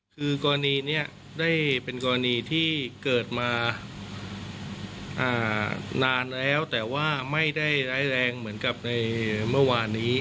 คือกรณีนี้ได้เป็นกรณีที่เกิดมานานแล้วแต่ว่าไม่ได้ร้ายแรงเหมือนกับในเมื่อวานนี้